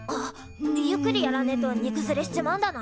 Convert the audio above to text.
ゆっくりやらねえとにくずれしちまうんだな！